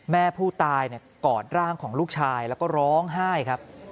แม่ผู้ตายกอดร่างของลูกชายแล้วก็ร้องไห้ครับ